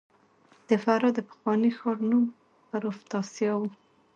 د فراه د پخواني ښار نوم پروفتاسیا و